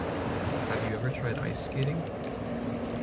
Have you ever tried ice skating?